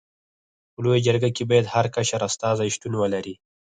په لويه جرګه کي باید هر قشر استازي شتون ولري.